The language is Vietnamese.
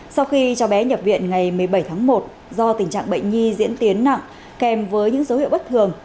sau khi cháu bé nhập viện ngày một mươi bảy tháng một do tình trạng bệnh nhi diễn tiến nặng kèm với những dấu hiệu bất thường